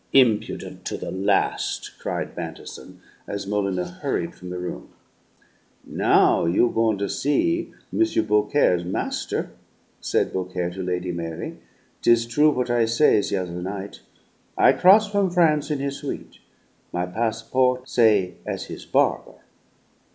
"Impudent to the last!" cried Bantison, as Molyneux hurried from the room. "Now you goin' to see M. Beaucaire's master," said Beaucaire to Lady Mary. "'Tis true what I say, the other night. I cross from Prance in his suite; my passport say as his barber.